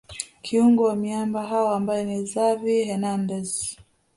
kiungo wa miamba hao ambaye ni Xavi Hernandez